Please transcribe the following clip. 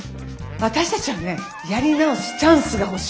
私たちはねやり直すチャンスが欲しいの。